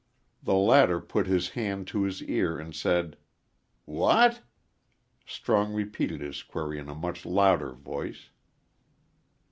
The latter put his hand to his ear and said, "What?" Strong repeated his query in a much louder voice.